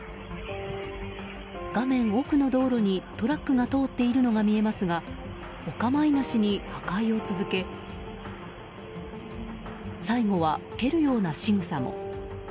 画面奥の道路に、トラックが通っているのが見えますがお構いなしに破壊を続け最後は蹴るようなしぐさも。